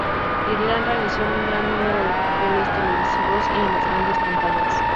Ireland realizó un gran número de papeles televisivos y en las grandes pantallas.